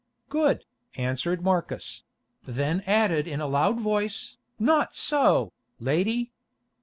"Good," answered Marcus; then added in a loud voice, "Not so, lady.